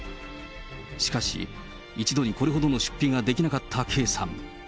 しかし、一度にこれほどの出費ができなかったＫさん。